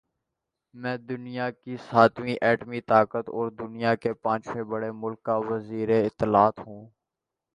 میں دنیا کی ساتویں ایٹمی طاقت اور دنیا کے پانچویں بڑے مُلک کا وزیراطلاعات ہوں